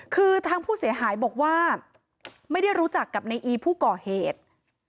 คือทางผู้เสียหายบอกว่าไม่ได้รู้จักกับในอีผู้ก่อเหตุ